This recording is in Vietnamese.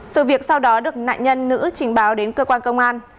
sự việc sau đó được nạn nhân nữ trình báo đến cơ quan công an